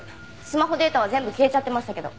スマホデータは全部消えちゃってましたけど。